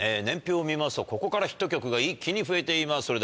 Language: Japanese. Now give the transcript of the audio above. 年表を見ますとここからヒット曲が一気に増えています。